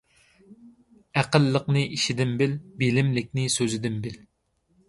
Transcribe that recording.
ئەقىللىقنى ئىشىدىن بىل، بىلىملىكنى سۆزىدىن بىل.